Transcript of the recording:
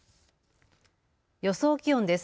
予想気温です。